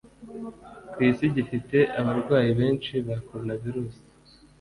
ku isi gifite abarwayi benshi ba coronavirus